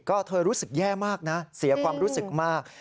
ก็เธอรู้สึกแย่มากนะเสียความรู้สึกมาก